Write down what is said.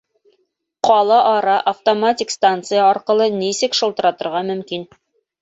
Ҡала-ара автоматик станция арҡылы нисек шылтыратырға мөмкин?